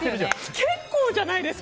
結構じゃないですか。